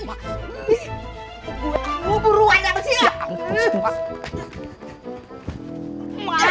aduh buruan apa sih lo